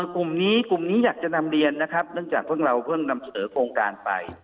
กลุ่มนี้กลุ่มนี้อยากจะนำเรียนนะครับเนื่องจากเพิ่งเราเพิ่งนำเสนอโครงการไป